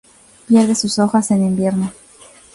Pierde sus hojas en invierno.